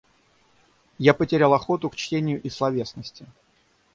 Я потерял охоту к чтению и словесности.